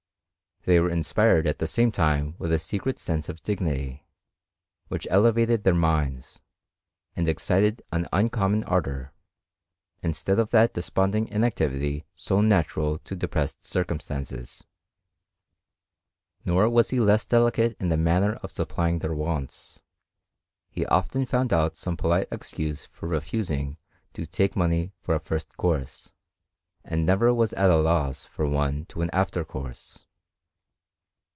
They were inspired at the same time with a secret sense of dignity, which elevated their minds, and excited an uncommon ardour, instead of that desponding inactivity so natural to depressed circumstances. Nor was he less delicate in the manner of supplying their wants : he often found out some polite excuse for refusing to take money for a first course, and never was at a loss for one to an after course.